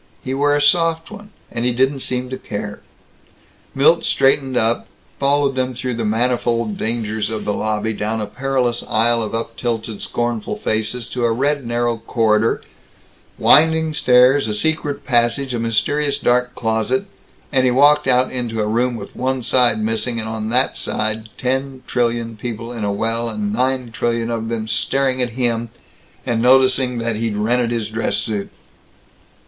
He wore a soft one, and he didn't seem to care! Milt straightened up, followed them through the manifold dangers of the lobby, down a perilous aisle of uptilted scornful faces, to a red narrow corridor, winding stairs, a secret passage, a mysterious dark closet and he walked out into a room with one side missing, and, on that side, ten trillion people in a well, and nine trillion of them staring at him and noticing that he'd rented his dress suit.